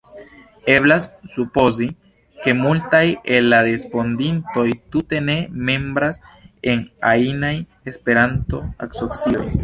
Eblas supozi, ke multaj el la respondintoj tute ne membras en ajnaj Esperanto-asocioj.